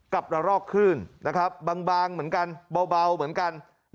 กับระลอกคลื่นบางเหมือนกันเบาเหมือนกัน